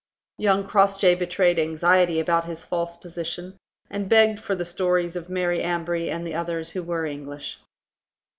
Young Crossjay betrayed anxiety about his false position, and begged for the stories of Mary Ambree and the others who were English.